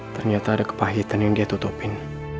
ternyata ada kepahitan yang dia tutupin